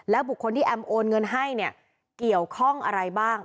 บุคคลที่แอมโอนเงินให้เนี่ยเกี่ยวข้องอะไรบ้าง